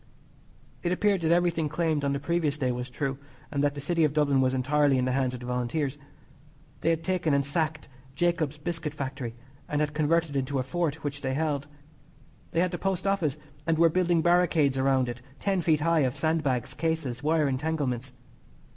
It appeared that everything claimed on the previous day was true, and that the City of Dublin was entirely in the hands of the Volunteers. They had taken and sacked Jacob's Biscuit Factory, and had converted it into a fort which they held. They had the Post Office, and were building baricades around it ten feet high of sandbags, cases, wire entanglements.